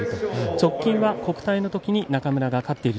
直近、国体の時に中村が勝っている。